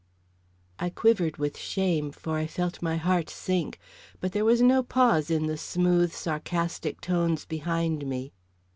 I quivered with shame, for I felt my heart sink. But there was no pause in the smooth, sarcastic tones behind me.